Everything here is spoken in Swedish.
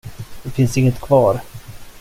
Det finns inget kvar.